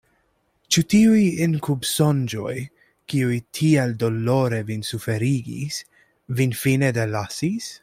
Ĉu tiuj inkubsonĝoj, kiuj tiel dolore vin suferigis, vin fine delasis?